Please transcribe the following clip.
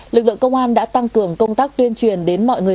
lực lượng công an đã tăng cường công tác tuyên truyền đến mọi người